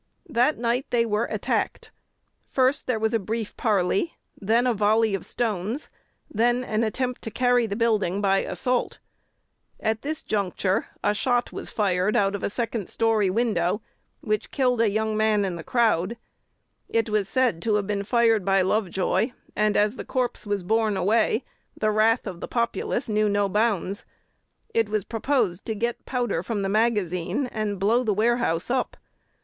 That night they were attacked. First there was a brief parley, then a volley of stones, then an attempt to carry the building by assault. At this juncture a shot was fired out of a second story window, which killed a young man in the crowd. It was said to have been fired by Lovejoy; and, as the corpse was borne away, the wrath of the populace knew no bounds. It was proposed to get powder from the magazine, and blow the warehouse up.